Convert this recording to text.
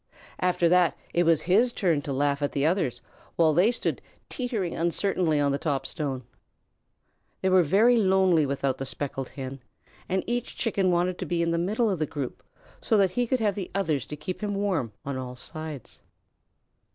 After that it was his turn to laugh at the others while they stood teetering uncertainly on the top stone. They were very lonely without the Speckled Hen, and each Chicken wanted to be in the middle of the group so that he could have others to keep him warm on all sides.